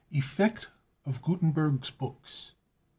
Effect of Gutenberg's Books.